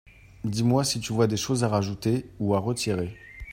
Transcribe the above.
dis-moi si tu vois des choses à rajouter (ou à retirer).